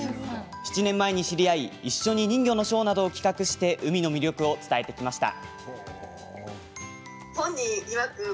７年前に知り合い一緒に人魚のショーなどを企画して海の魅力を伝えてきました。